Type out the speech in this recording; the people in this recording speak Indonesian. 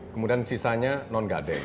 kemudian sisanya non gade